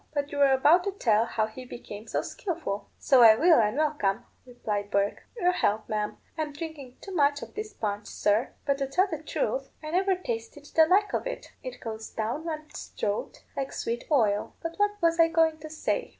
"But you were about to tell how he became so skilful." "So I will and welcome," replied Bourke. "Your health, ma'am. I'm drinking too much of this punch, sir; but to tell the truth, I never tasted the like of it; it goes down one's throat like sweet oil. But what was I going to say?